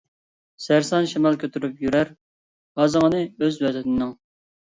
سەرسان شامال كۆتۈرۈپ يۈرەر، غازىڭىنى ئۆز ۋەتىنىنىڭ.